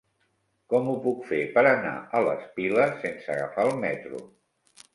Com ho puc fer per anar a les Piles sense agafar el metro?